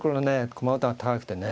駒音が高くてね。